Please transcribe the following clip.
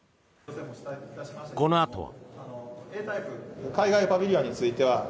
このあとは。